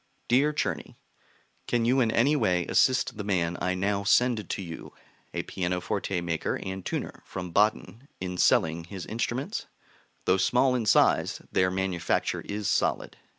DEAR CZERNY, Can you in any way assist the man I now send to you (a pianoforte maker and tuner from Baden) in selling his instruments? Though small in size, their manufacture is solid.